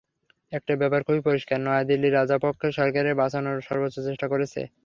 একটা ব্যাপার খুবই পরিষ্কার, নয়াদিল্লি রাজাপক্ষের সরকারকে বাঁচানোর সর্বোচ্চ চেষ্টা করেছে।